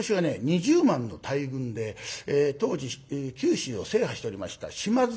２０万の大軍で当時九州を制覇しておりました島津家を攻めます。